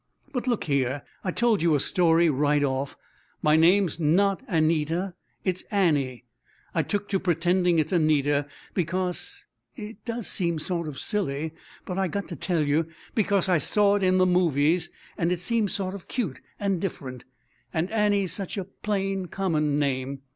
But look here. I told you a story, right off. My name's not Anita it's Annie. I took to pretending it's Anita because it does seem sort of silly, but I got to tell you because I saw it in the movies, and it seemed sort of cute and different, and Annie's such a plain, common name.